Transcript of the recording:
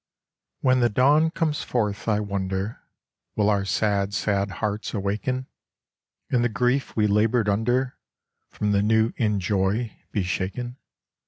WHEN the dawn comes forth I wonder Will our sad, sad hearts awaken, And the grief we laboured under From the new in joy be shaken